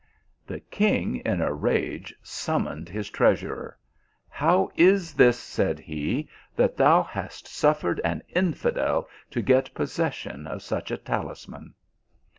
The king in a rage summoned his treasurer. " How is this," said he, " that thou hast suffered an infidel to get possession of such a talisman